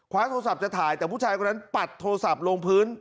โทรศัพท์จะถ่ายแต่ผู้ชายคนนั้นปัดโทรศัพท์ลงพื้น